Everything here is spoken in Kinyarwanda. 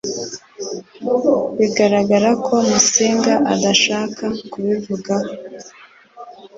Biragaragara ko Musinga adashaka kubivugaho